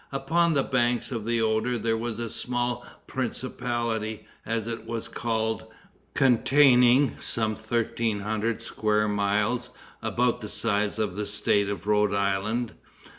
Upon the banks of the Oder there was a small principality, as it was called, containing some thirteen hundred square miles, about the size of the State of Rhode Island.